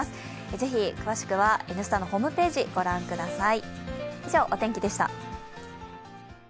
ぜひ詳しくは「Ｎスタ」のホームページご覧ください。